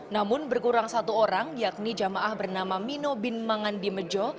namun berkurang satu orang yakni jamaah bernama mino bin mangandimejo